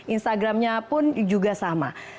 instagramnya pun juga sama